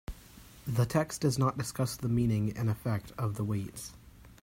The text does not discuss the meaning and effect of the weights.